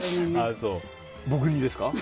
僕にですか？